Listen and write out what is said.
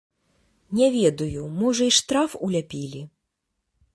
Не ведаю, можа, і штраф уляпілі.